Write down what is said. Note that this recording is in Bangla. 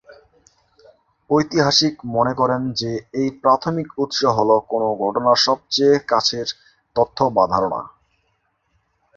ঐতিহাসিক মনে করেন যে এই প্রাথমিক উৎস হল কোনো ঘটনার সবচেয়ে কাছের তথ্য বা ধারণা।